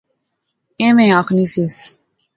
ایویں آخنی سیوس